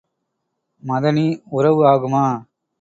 மதனி உறவு ஆகுமா?